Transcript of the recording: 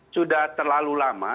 sudah terlalu lama